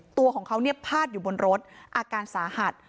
ตัวของเขาเนี่ยพาดอยู่บนรถอาการสาหัส